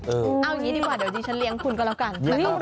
เอาอย่างนี้ดีกว่าเดี๋ยวดิฉันเลี้ยงคุณก็แล้วกัน